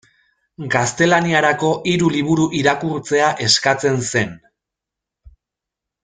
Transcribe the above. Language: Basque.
Gaztelaniarako hiru liburu irakurtzea eskatzen zen.